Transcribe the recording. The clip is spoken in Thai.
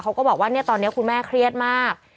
เขาก็บอกว่าตอนนี้คุณแม่เครียดมาก